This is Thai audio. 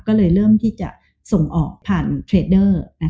ก็เลยเริ่มที่จะส่งออกผ่านเทรดเดอร์